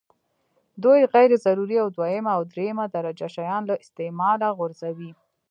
دوی غیر ضروري او دویمه او درېمه درجه شیان له استعماله غورځوي.